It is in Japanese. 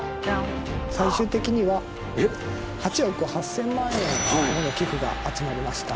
最終的には８億８，０００万円もの寄付が集まりました。